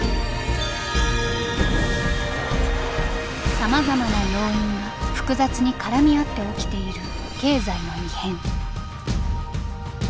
さまざまな要因が複雑に絡み合って起きている経済の異変。